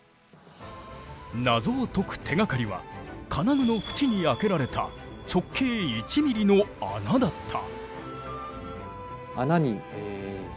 謎を解く手がかりは金具の縁に開けられた直径１ミリの穴だった。